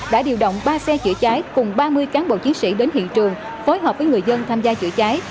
đã điều động ba xe chữa cháy cùng ba mươi cán bộ chiến sĩ đến hiện trường phối hợp với người dân tham gia chữa cháy